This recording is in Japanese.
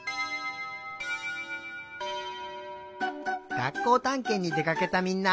がっこうたんけんにでかけたみんな。